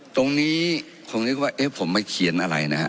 ตรงนี้คงนึกว่าเอ๊ะผมมาเขียนอะไรนะฮะ